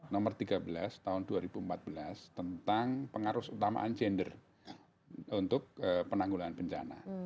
nomor tiga belas tahun dua ribu empat belas tentang pengarus utamaan gender untuk penanggulan bencana